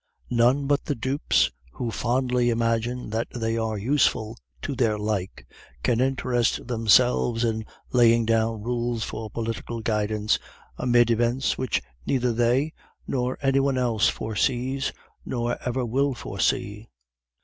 None but the dupes, who fondly imagine that they are useful to their like, can interest themselves in laying down rules for political guidance amid events which neither they nor any one else foresees, nor ever will foresee.